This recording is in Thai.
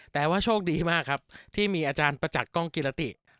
แต่ว่าโชคดีมากครับที่มีอาจารย์ประจักษ์กล้องกิรติ